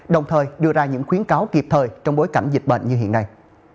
đồng thời đưa ra những khuyến cáo kịp thời trong bối cảnh dịch bệnh như hiện nay